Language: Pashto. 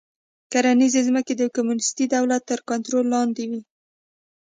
کرنیزې ځمکې د کمونېستي دولت تر کنټرول لاندې وې